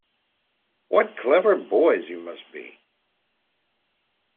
What clever boys you must be!